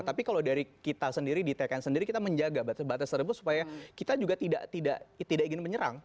tapi kalau dari kita sendiri di tkn sendiri kita menjaga batas batas tersebut supaya kita juga tidak ingin menyerang